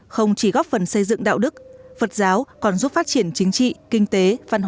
không chỉ góp phần xây dựng đạo đức phật giáo còn giúp phát triển chính trị kinh tế